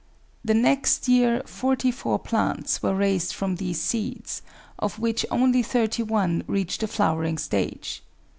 The next year forty four plants were raised from these seeds, of which only thirty one reached the flowering stage.